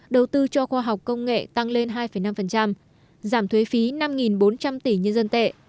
đầu tư cho khoa học công nghệ tăng lên hai năm giảm thuế phí năm bốn trăm linh tỷ nhân dân tệ